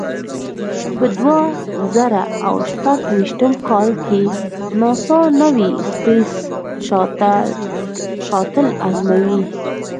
په دوه زره او شپږ ویشتم کال کې ناسا نوې سپېس شاتل ازموي.